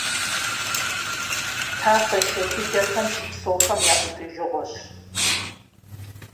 Тафэ шэдылъэхэм щыпсэухэм я ӀутӀыжыгъуэщ.